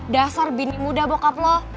dasar bini muda bokap lo